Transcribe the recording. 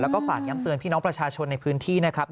แล้วก็ฝากย้ำเตือนพี่น้องประชาชนในพื้นที่นะครับ